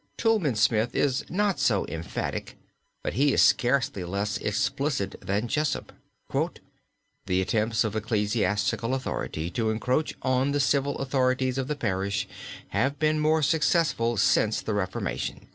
Toulmin Smith is not so emphatic, but he is scarcely less explicit than Jessopp. "The attempts of ecclesiastical authority to encroach on the civil authorities of the parish have been more successful since the reformation."